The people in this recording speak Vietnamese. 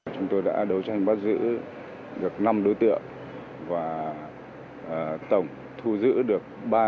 chúng tôi đã đấu tranh bắt giữ được năm đối tượng và tổng thu giữ được ba mươi chín bốn trăm linh